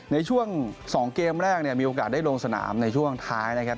ในช่วง๒เกมแรกเนี่ยมีโอกาสได้ลงสนามในช่วงท้ายนะครับ